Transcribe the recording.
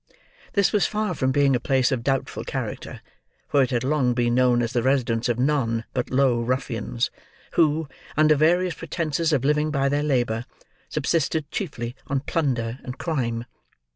This was far from being a place of doubtful character; for it had long been known as the residence of none but low ruffians, who, under various pretences of living by their labour, subsisted chiefly on plunder and crime.